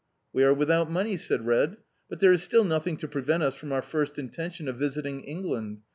"We are without money," said Red, "but there is still nothing to prevent us from our first intention of visiting England.